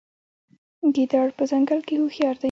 ګیدړ په ځنګل کې هوښیار دی.